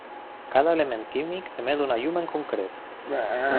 Cada element químic emet una llum en concret.